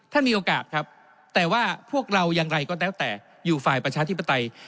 ท่านมีโอกาสครับแต่ว่าพวกเราอย่างไรก็แล้วแต่อยู่ฝ่ายประชาธิปไตย